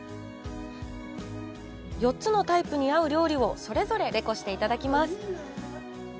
４つのタイプに合う料理をそれぞれレコしていただきます。